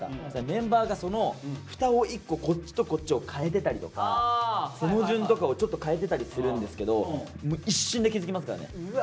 メンバーがその蓋を一個こっちとこっちを変えてたりとか背の順とかをちょっと変えてたりするんですけどもう一瞬で気付きますからね。